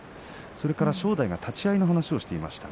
正代が立ち合いの話をしていました。